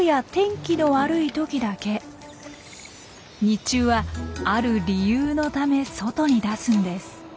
日中はある理由のため外に出すんです。